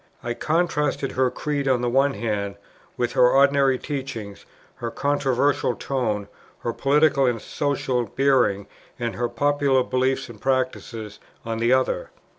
I contrasted her creed on the one hand, with her ordinary teaching, her controversial tone, her political and social bearing, and her popular beliefs and practices, on the other.